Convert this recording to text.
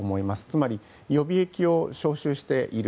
つまり、予備役を招集している。